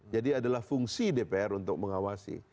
jadi adalah fungsi dpr untuk mengawasi